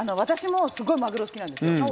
私もすごくマグロ好きなんですよ。